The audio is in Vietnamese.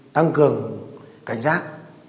tăng cường cảnh giác